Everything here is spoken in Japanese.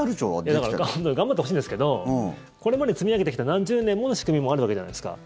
だから頑張ってほしいんですけどこれまで積み上げてきた何十年もの仕組みもあるわけじゃないですか。